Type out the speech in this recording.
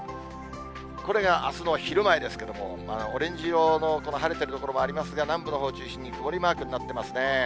これがあすの昼前ですけれども、オレンジ色のこの晴れてる所もありますが、南部のほう中心に曇りマークになっていますね。